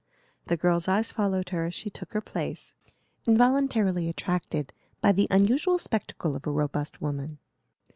The girls' eyes followed her as she took her place, involuntarily attracted by the unusual spectacle of a robust woman.